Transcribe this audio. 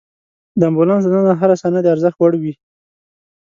د امبولانس دننه هره ثانیه د ارزښت وړ وي.